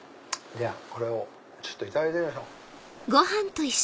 これをいただいてみましょう。